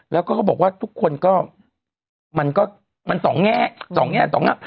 แล้วก็เขาบอกว่าทุกคนก็มันก็มันสองแง่สองแง่สองแง่